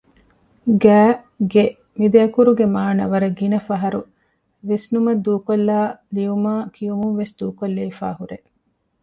ގައި ގެ މި ދެއަކުރުގެ މާނަ ވަރަށް ގިނަ ފަހަރު ވިސްނުމަށް ދޫކޮށްލައި ލިޔުމާއި ކިޔުމުންވެސް ދޫކޮށްލެވިފައި ހުރޭ